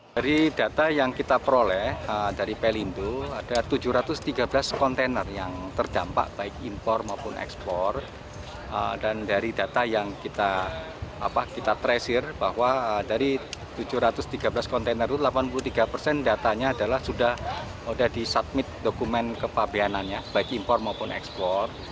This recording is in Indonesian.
dari data yang kita peroleh dari pelindo ada tujuh ratus tiga belas kontainer yang terdampak baik impor maupun ekspor